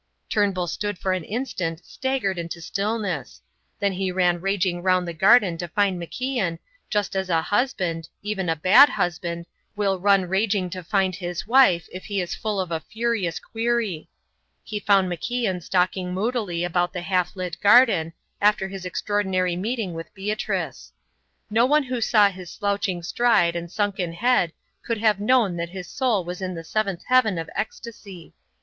Turnbull stood for an instant staggered into stillness. Then he ran raging round the garden to find MacIan, just as a husband, even a bad husband, will run raging to find his wife if he is full of a furious query. He found MacIan stalking moodily about the half lit garden, after his extraordinary meeting with Beatrice. No one who saw his slouching stride and sunken head could have known that his soul was in the seventh heaven of ecstasy.